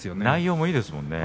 内容もいいです。